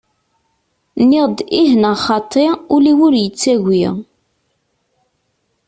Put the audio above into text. Nniɣ-d ih neɣ xaṭ, ul-iw ur yettagi.